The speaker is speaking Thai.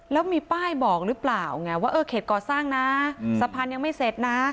แล้วมีป้ายบอกหรือเปล่าไงว่าเออเขตก่อสร้างนะสะพานยังไม่เสร็จนะ